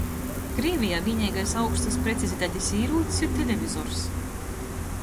Krīvejā vīneigais augstys precizitatis īrūcs ir televizors.